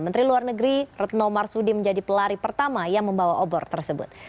menteri luar negeri retno marsudi menjadi pelari pertama yang membawa obor tersebut